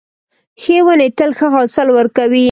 ښې ونې تل ښه حاصل ورکوي .